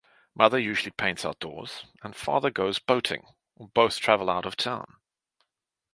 Mother usually paints outdoors, and father goes boating, or both travel out of town.